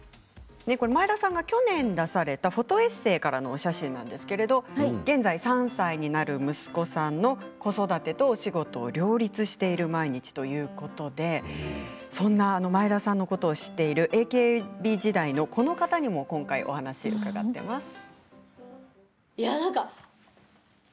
前田さんが去年出されたフォトエッセーからのお写真なんですけれど現在３歳になる息子さんの子育てとお仕事を両立している毎日ということでそんな前田さんのことを知っているＡＫＢ時代のこの方にも今回お話を伺っています。